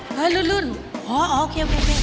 เฮ้ยลื่นโอเค